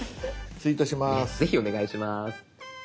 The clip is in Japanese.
ぜひお願いします。